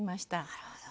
なるほど。